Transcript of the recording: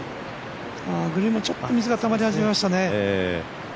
グリーンも水がたまり始めましたね。